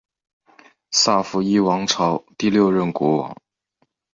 萨伏伊王朝第六任国王。